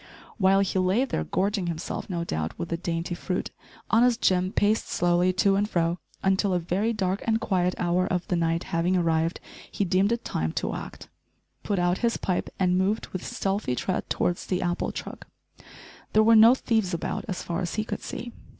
While he lay there gorging himself, no doubt with the dainty fruit, honest Jim paced slowly to and fro until, a very dark and quiet hour of the night having arrived, he deemed it time to act, put out his pipe, and moved with stealthy tread towards the apple truck. There were no thieves about as far as he could see.